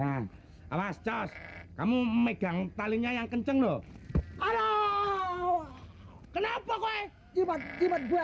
hai dan awas cowok kamu megang talinya yang kenceng loh aduh kenapa gue jimat jimat gue